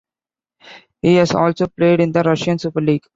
He has also played in the Russian Super League.